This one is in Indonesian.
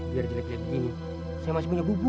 biar jelek jelek begini saya masih punya bubu